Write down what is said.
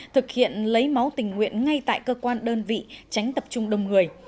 thực hiện lấy máu tình nguyện ngay tại cơ quan đơn vị tránh tập trung đông người